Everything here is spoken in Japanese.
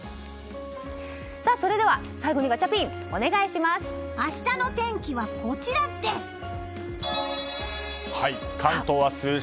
それでは最後にガチャピン明日の天気はこちらです！